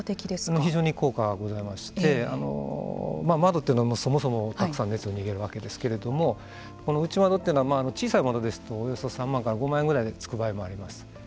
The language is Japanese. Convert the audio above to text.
非常に効果がございまして窓というのはそもそもたくさん熱が逃げるわけですけども内窓というのは小さい窓ですとおよそ３万から５万円ぐらいでつく場合もあります。